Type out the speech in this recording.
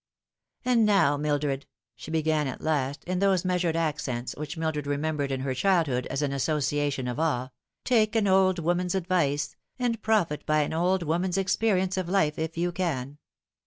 " And now, Mildred," she began at last, in those measured accents which Mildred remembered in her childhood as an association of awe, " take an old woman's advice, and profit by an old woman's experience of life if you can.